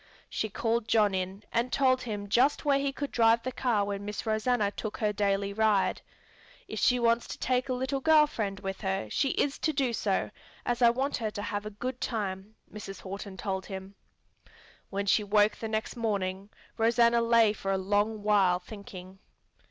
She called John in and told him just where he could drive the car when Miss Rosanna took her daily ride. "If she wants to take a little girl friend with her, she is to do so, as I want her to have a good time," Mrs. Horton told him. When she woke the next morning, Rosanna lay for a long while thinking.